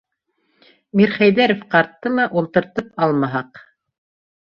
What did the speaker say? Мирхәйҙәров ҡартты ла ултыртып алмаһаҡ...